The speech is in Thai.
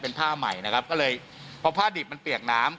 เป็นผ้าใหม่ก็เลยพอผ้าดิบมันเปลี่ยนน้ำ